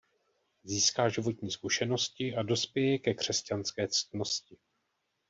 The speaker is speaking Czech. Získá životní zkušenosti a dospěje ke křesťanské ctnosti.